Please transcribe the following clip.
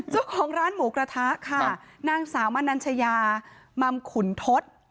เจ้าของร้านหมูกระทะค่ะนางสาวมนัญชยามัมขุนทศ